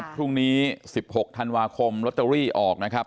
พรุ่งนี้๑๖ธันวาคมลอตเตอรี่ออกนะครับ